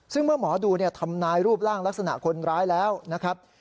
ซึ่งเมื่อหมอดูทำนายรูปร่างลักษณะคนร้ายแล้วนะครับ